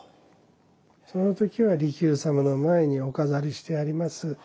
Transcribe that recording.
その時は利休様の前にお飾りしてあります